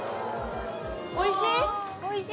おいしい！